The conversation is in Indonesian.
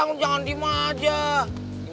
dengan penurunan kelakaran yang lebih tinggi